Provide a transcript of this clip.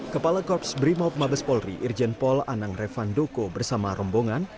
kepala korps brimob mabes polri irjen pol anang refandoko bersama rombongan